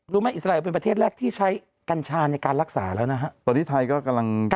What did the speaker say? รู้ไหมาอิสไลเเอลเป็นประเทศแรกที่ใช้กัญชาในการรักษาแล้วนะฮะ